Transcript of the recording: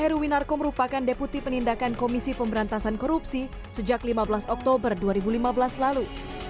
heru winarko merupakan deputi penindakan komisi pemberantasan korupsi sejak lima belas oktober dua ribu lima belas lalu